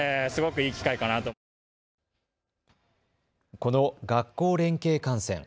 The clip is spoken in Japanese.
この学校連携観戦。